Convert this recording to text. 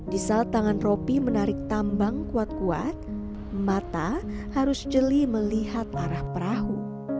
di saat tangan ropi menarik tambang kuat kuat mata harus jeli melihat arah perahu